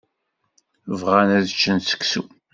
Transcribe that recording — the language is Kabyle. Bɣan ad ččen seksu.